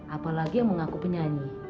apalagi yang mengaku penyanyi